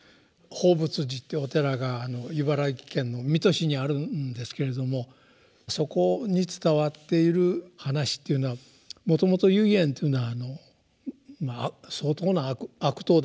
報佛寺っていうお寺が茨城県の水戸市にあるんですけれどもそこに伝わっている話っていうのはもともと唯円というのは相当な悪党だったそうです。